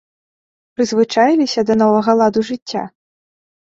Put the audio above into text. Прызвычаіліся да новага ладу жыцця?